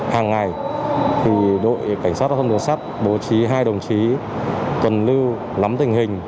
hàng ngày đội cảnh sát thuộc tuyến đường sát bố trí hai đồng chí tuần lưu lắm tình hình